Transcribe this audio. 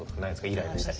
イライラしたり。